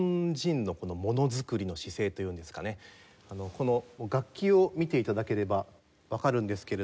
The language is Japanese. この楽器を見て頂ければわかるんですけれども。